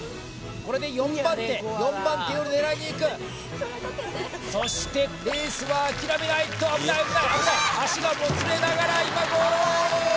これで４番手４番手を狙いにいくそしてレースは諦めないと危ない危ない危ない脚がもつれながら今ゴール！